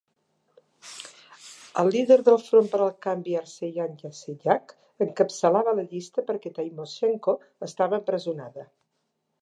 El líder del Front per al Canvi, Arseniy Yatsenyuk, encapçalava la llista perquè Tymoshenko estava empresonada.